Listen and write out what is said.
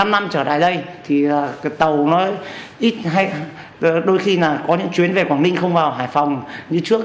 năm năm trở lại đây thì cái tàu nó ít hay đôi khi là có những chuyến về quảng ninh không vào hải phòng như trước